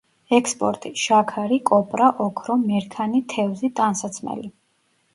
ექსპორტი: შაქარი, კოპრა, ოქრო, მერქანი, თევზი, ტანსაცმელი.